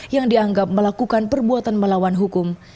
yang dianggap melakukan perbuatan melawan hukum